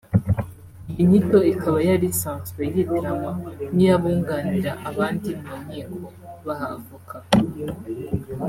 Iyi nyito ikaba yari isanzwe yitiranywa n’iy’abunganira abandi mu nkiko (ba avoka)